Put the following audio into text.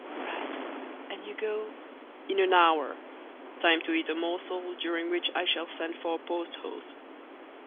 "Right. And you go—" "In an hour—time to eat a morsel, during which I shall send for a post horse."